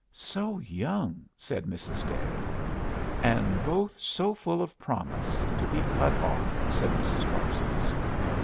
"So young!" said Mrs. Day. "And both so full of promise, to be cut off!" said Mrs. Parsons.